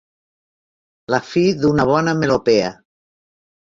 La fi d'una bona melopea.